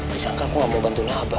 disangka aku gak mau bantu nabah